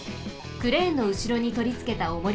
クレーンのうしろにとりつけたおもりです。